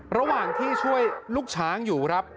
ระหว่างที่ช่วยลูกช้างอยู่ครับ